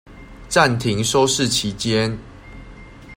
暫停收視期間